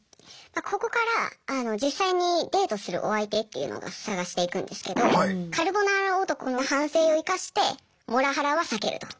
ここから実際にデートするお相手っていうのが探していくんですけどカルボナーラ男の反省を生かしてモラハラは避けると。